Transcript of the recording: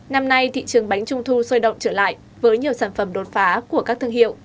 năm nay thị trường bánh trung thu sôi động trở lại với nhiều sản phẩm đột phá của các thương hiệu